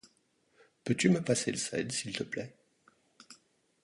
Peux-tu me passer le sel s'il te plaît ?